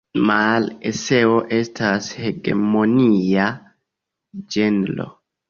Male eseo estas hegemonia ĝenro.